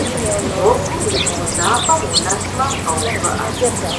Гъуэгум и бгъузапӏэм унэсмэ, къэувыӏэ.